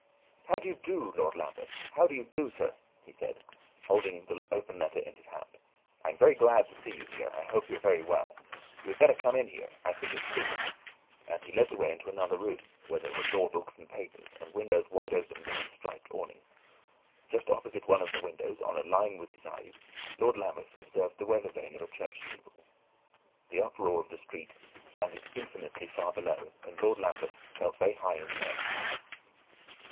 "How do you do, Lord Lambeth how do you do, sir?" he said, holding the open letter in his hand. "I'm very glad to see you; I hope you're very well. You had better come in here; I think it's cooler," and he led the way into another room, where there were law books and papers, and windows wide open beneath striped awning. Just opposite one of the windows, on a line with his eyes, Lord Lambeth observed the weathervane of a church steeple. The uproar of the street sounded infinitely far below, and Lord Lambeth felt very high in the air.